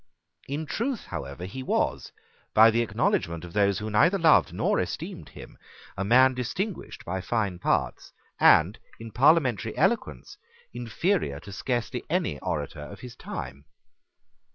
In truth however he was, by the acknowledgment of those who neither loved nor esteemed him, a man distinguished by fine parts, and in parliamentary eloquence inferior to scarcely any orator of his time.